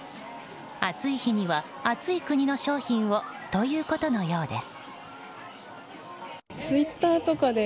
暑い日には、暑い国の商品をということのようです。